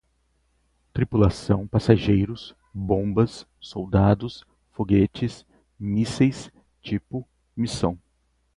Tripulação, passageiros, bombas, soldados, foguetes, mísseis, tipo, missão